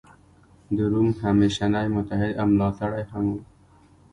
د روم همېشنی متحد او ملاتړی هم و.